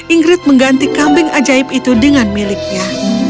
ingrid mengganti kambing ajaib itu dengan miliknya